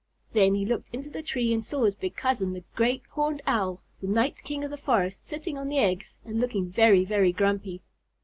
Then he looked into the tree and saw his big cousin, the Great Horned Owl, the night king of the forest, sitting on the eggs and looking very, very grumpy.